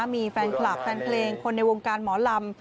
มีแฟนคลับแฟนเพลงคนในวงการหมอลำ